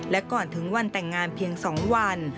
และก่อนถึงวันแต่งงานเพียง๒วัน